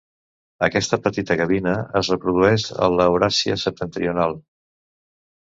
Aquesta petita gavina es reprodueix a Euràsia Septentrional.